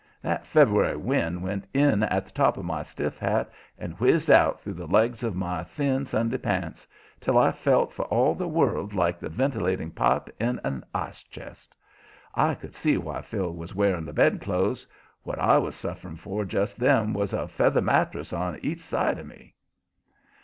That February wind went in at the top of my stiff hat and whizzed out through the legs of my thin Sunday pants till I felt for all the world like the ventilating pipe on an ice chest. I could see why Phil was wearing the bed clothes; what I was suffering for just then was a feather mattress on each side of me.